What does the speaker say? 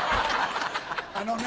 あのね